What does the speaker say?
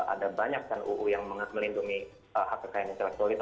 ada banyak kan uu yang melindungi hak kekayaan intelektual itu